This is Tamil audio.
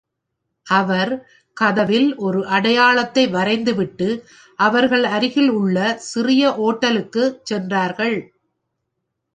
அவர் கதவில் ஒரு அடையா ளத்தை வரைந்துவிட்டு அவர்கள் அருகிலுள்ள சிறிய ஓட்டலுக்குச் சென்றார்கள்.